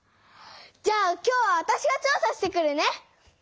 じゃあ今日はわたしが調査してくるね！